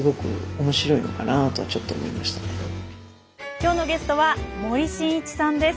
今日のゲストは森進一さんです。